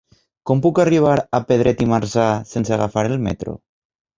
Com puc arribar a Pedret i Marzà sense agafar el metro?